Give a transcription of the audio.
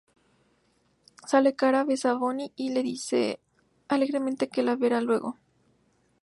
Sale cara, besa a Bonnie y le dice alegremente que la verá luego.